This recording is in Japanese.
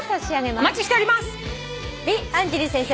お待ちしております。